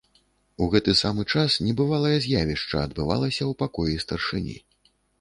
У гэты самы час небывалае з'явішча адбывалася ў пакоі старшыні.